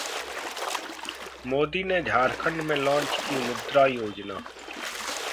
मोदी ने झारखंड में लॉन्च की 'मुद्रा योजना'